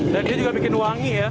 dan dia juga bikin wangi ya